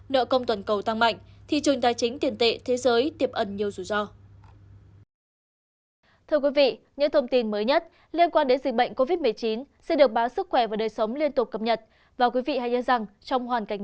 nợ công toàn cầu tăng mạnh thị trường tài chính tiền tệ thế giới tiềm ẩn nhiều rủi ro